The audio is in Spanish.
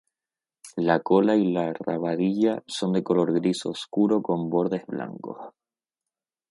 La cola y la rabadilla son de color gris oscuro con bordes blancos.